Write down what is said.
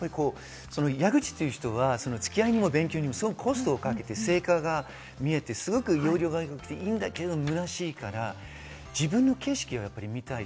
矢口という人はつき合いにも勉強にもすごくコストをかけて成果が見えて、すごく要領が良くていいんだけど、むなしいから、自分の景色を見たい。